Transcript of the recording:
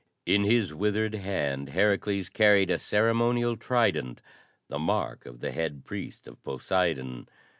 In his withered hand Herakles carried a ceremonial trident the mark of the Head Priest of Poseidon.